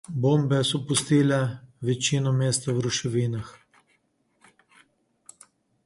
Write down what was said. Bombe so pustile večino mesta v ruševinah.